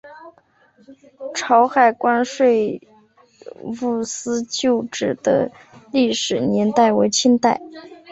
潮海关税务司旧址的历史年代为清代。